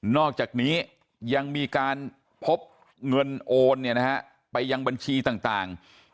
อกจากนี้ยังมีการพบเงินโอนไปยังบัญชีต่าง